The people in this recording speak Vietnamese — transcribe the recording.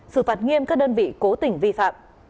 xử phạt nghiêm các đơn vị cố tình vi phạm